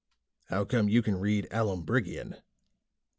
"How come you can read Aloombrigian?"